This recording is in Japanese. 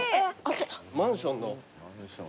マンションの。